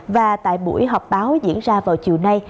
và tại buổi họp báo diễn ra vào chiều nay